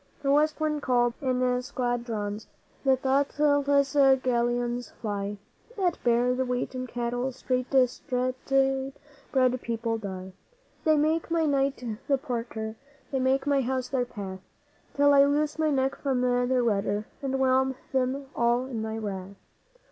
The West Wind called: 'In squadrons the thoughtless galleons fly That bear the wheat and cattle lest street bred people die. They make my might their porter, they make my house their path, Till I loose my neck from their rudder and whelm them all in my wrath.